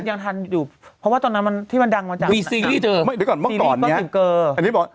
อยู่เพราะว่าตอนนั้นมันที่มันดังมาจากเดี๋ยวก่อนเมื่อก่อนเนี้ยอันนี้บอก